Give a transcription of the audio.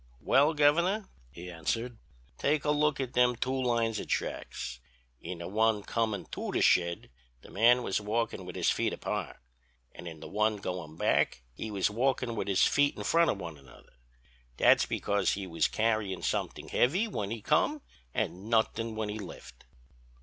"'Well, Governor,' he answered, 'take a look at them two lines of tracks. In the one comin' to the shed the man was walkin' with his feet apart and in the one goin' back he was walkin' with his feet in front of one another; that's because he was carryin' somethin' heavy when he come an' nothin' when he left.'